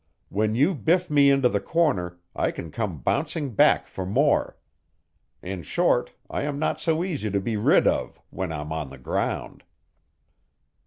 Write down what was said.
When you biff me into the corner I can come bouncing back for more. In short, I am not so easy to be rid of, when I'm on the ground."